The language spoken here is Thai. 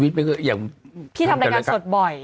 พี่ทำรายการสดบ่อย